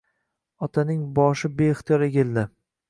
Otaning boshi beixtiyor egildi